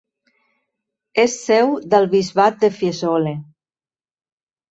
És seu del bisbat de Fiesole.